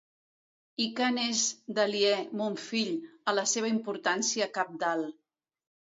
I què n'és, d'aliè, mon fill, a la seva importància cabdal!